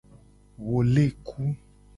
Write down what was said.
Wo le ku.